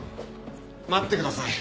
待ってください。